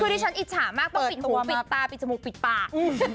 คือดิฉันอิจฉามากต้องปิดหูปิดตาปิดจมูกปิดปาก